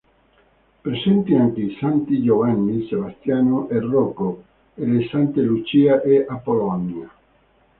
Presenti anche i santi Giovanni, Sebastiano e Rocco e le sante Lucia e Apollonia.